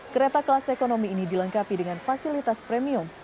kereta kelas ekonomi ini dilengkapi dengan fasilitas premium